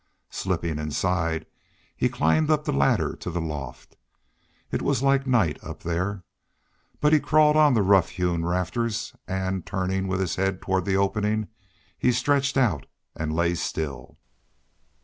Slipping inside, he climbed up the ladder to the loft. It was like night up there. But he crawled on the rough hewn rafters and, turning with his head toward the opening, he stretched out and lay still.